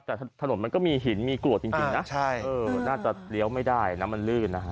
แต่ถนนมันก็มีหินมีกรวดจริงนะน่าจะเลี้ยวไม่ได้นะมันลื่นนะฮะ